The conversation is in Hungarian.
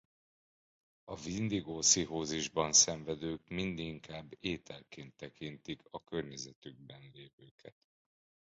A Windigo-pszichózisban szenvedők mindinkább ételként tekintik a környezetükben levőket.